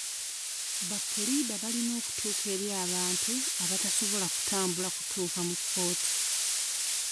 Ba puliida balina okutuuka eri abantu abatasobola kutambula kutuuka mu kkooti.